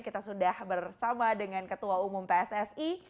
kita sudah bersama dengan ketua umum pssi